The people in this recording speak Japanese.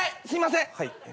すいません。